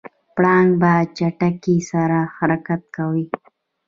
پړانګ په چټکۍ سره حرکت کوي.